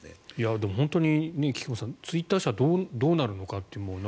でも、本当に菊間さんツイッター社どうなるのかって。